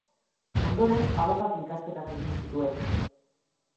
Ondoren abokatu ikasketak egin zituen.